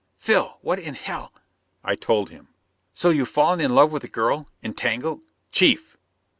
"Phil, what in hell " I told him. "So you've fallen in love with a girl? Entangled " "Chief!"